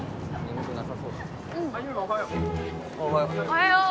おはよう。